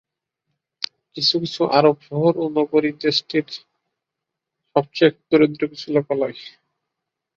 কিছু কিছু আরব শহর ও নগরী দেশটির সবচেয়ে দরিদ্র কিছু লোকালয়।